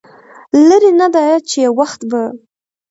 لرې نه ده چې يو وخت به